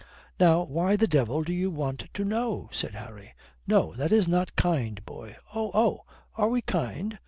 "Now why the devil do you want to know?" said Harry. "No, that is not kind, boy." "Oh, Oh, are we kind?"